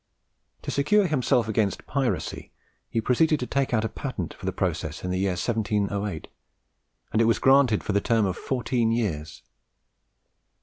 To secure himself against piracy, he proceeded to take out a patent for the process in the year 1708, and it was granted for the term of fourteen years.